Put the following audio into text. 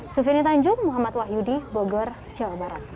sufini tanjung muhammad wahyudi bogor jawa barat